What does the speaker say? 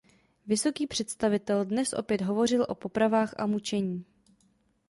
Vysoký představitel dnes opět hovořil o popravách a mučení.